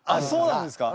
そうなんすか？